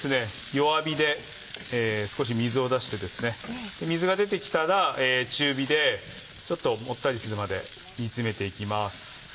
弱火で少し水を出して水が出てきたら中火でちょっともったりするまで煮詰めていきます。